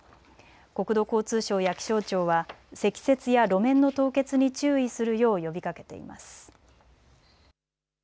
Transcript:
国土交通省や気象庁は積雪や路面の凍結に注意するよう呼びかけています。